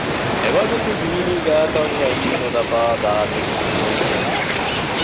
އެވަގުތު ޒީނީ ގާތަށް އައީ ނުލަފާ ޒާތެއްގެ ރުޅިއެއް